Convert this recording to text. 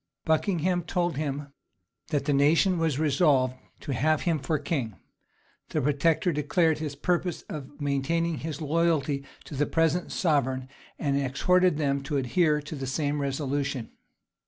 Buckingham told him that the nation was resolved to have him for king: the protector declared his purpose of maintaining his loyalty to the present sovereign, and exhorted them to adhere to the same resolution.